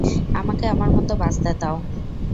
আমাকে আমার মতো বাঁচতে দাও।